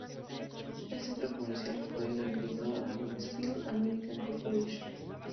El centro comercial fue vendido a Westfield America, Inc.